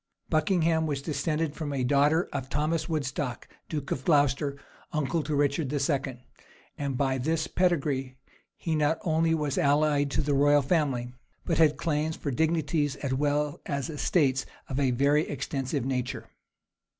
Buckingham was descended from a daughter of Thomas of Woodstock, duke of Glocester, uncle to Richard II.; and by this pedigree he not only was allied to the royal family, but had claims for dignities as well as estates of a very extensive nature.